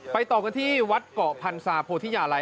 ไปต่อกันที่วัดเกาะพันธุ์สาพโพธิญาลัย